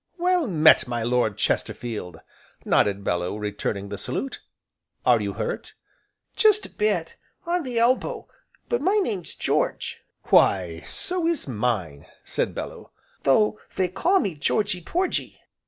"Well met, my Lord Chesterfield!" nodded Bellew, returning the salute, "are you hurt?" "Just a bit on the elbow; but my name's George." "Why so is mine!" said Bellew. "Though they call me 'Georgy Porgy.'"